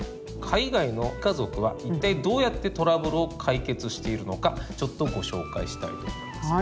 海外の家族は一体どうやってトラブルを解決しているのかちょっとご紹介したいと思います。